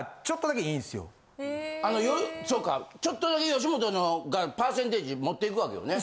そうかちょっとだけ吉本がパーセンテージ持って行くわけよね。